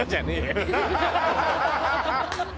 ハハハハ！